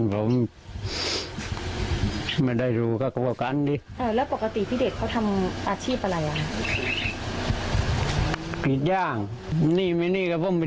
ซ่าพ์ตามข่าวแล้วใช่ไหมครับ